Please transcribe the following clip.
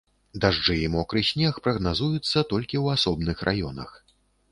Дажджы і мокры снег прагназуюцца толькі ў асобных раёнах.